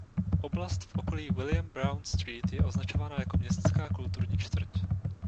Oblast v okolí William Brown Street je označována jako městská kulturní čtvrť.